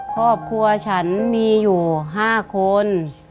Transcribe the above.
ครอบครัวฉันมีอยู่๕คน